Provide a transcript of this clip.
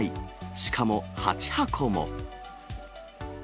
しかも８箱も。